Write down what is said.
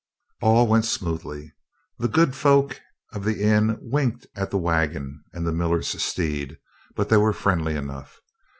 All went smoothly. The good folk of the inn winked at the wagon and the miller's steed, but they were friendly enough.